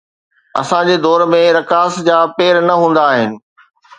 اسان جي دور ۾ رقاص جا پير نه هوندا آهن